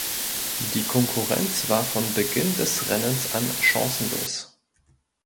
Die Konkurrenz war von Beginn des Rennens an chancenlos.